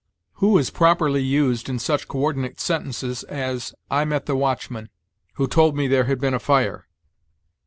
"Who is properly used in such coördinate sentences as, 'I met the watchman, who told me there had been a fire.'